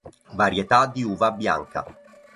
Varietà di uva bianca.